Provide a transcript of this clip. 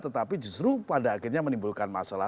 tetapi justru pada akhirnya menimbulkan masalah